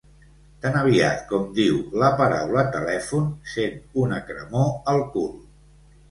Tan aviat com diu la paraula telèfon sent una cremor al cul.